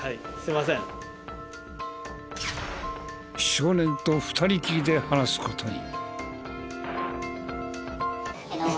少年と２人きりで話す事に。